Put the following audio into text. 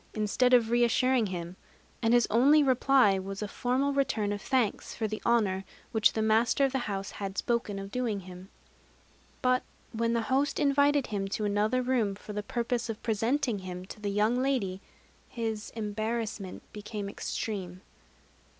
This explanation bewildered Baishû instead of reassuring him; and his only reply was a formal return of thanks for the honor which the master of the house had spoken of doing him. But when the host invited him to another room, for the purpose of presenting him to the young lady, his embarrassment became extreme.